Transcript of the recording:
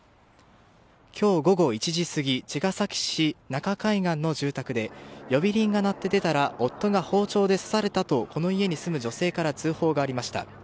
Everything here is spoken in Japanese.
今日午後１時過ぎ茅ヶ崎市中海岸の住宅で呼び鈴が鳴って出たら夫が包丁で刺されたとこの家に住む女性から通報がありました。